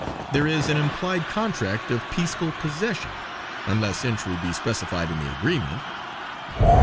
There is an implied contract of peaceful possession, unless entry be specified in the agreement."